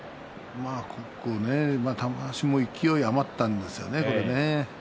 玉鷲も勢い余ったんですね。